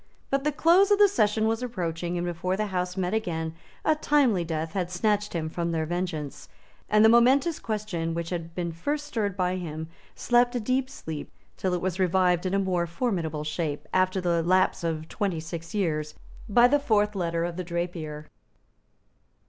But the close of the session was approaching; and before the Houses met again a timely death had snatched him from their vengeance; and the momentous question which had been first stirred by him slept a deep sleep till it was revived in a more formidable shape, after the lapse of twenty six years, by the fourth letter of The Drapier.